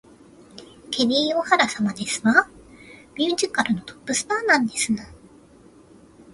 ケリー・オハラ様ですわ。ミュージカルのトップスターなんですの